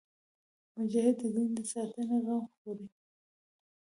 مجاهد د دین د ساتنې غم خوري.